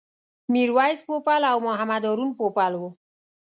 میرویس پوپل او محمد هارون پوپل و.